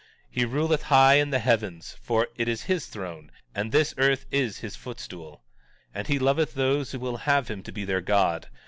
17:39 He ruleth high in the heavens, for it is his throne, and this earth is his footstool. 17:40 And he loveth those who will have him to be their God.